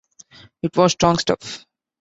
It was strong stuff.